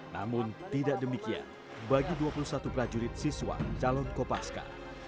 namun tidak demikian bagi dua puluh satu prajurit siswa calon kopaska